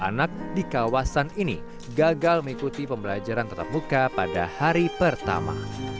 anak di kawasan ini gagal mengikuti pembelajaran tetap muka pada hari pertama